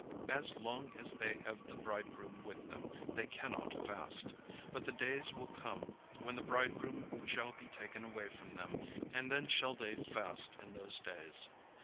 As long as they have the bridegroom with them, they cannot fast. But the days will come, when the bridegroom shall be taken away from them, and then shall they fast in those days.